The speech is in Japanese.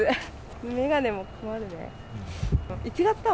眼鏡も曇るね。